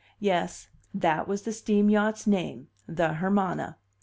Yes, that was the steam yacht's name: the Hermana.